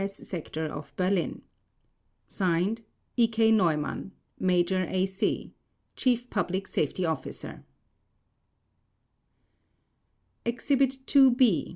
S. Sector of Berlin. /s/ E. K. NEUMANN Major, A. C. Chief Public Safety Officer Exhibit II B.